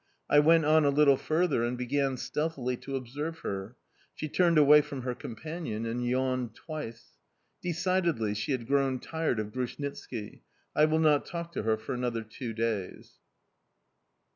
I went on a little further and began stealthily to observe her. She turned away from her companion and yawned twice. Decidedly she had grown tired of Grushnitski I will not talk to her for another two days.